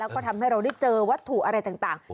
ก็ทำให้เราได้เจอวัตถุอะไรต่าง